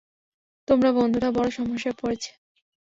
তোমার বন্ধুরা বড় সমস্যায় পড়েছে।